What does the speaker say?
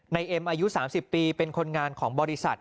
เอ็มอายุ๓๐ปีเป็นคนงานของบริษัท